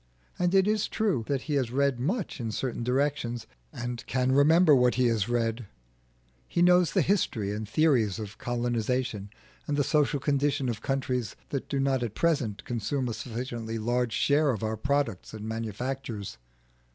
And it is true that he has read much in certain directions, and can remember what he has read; he knows the history and theories of colonisation and the social condition of countries that do not at present consume a sufficiently large share of our products and manufactures.